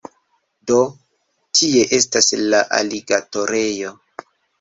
Do, tie estas la aligatorejo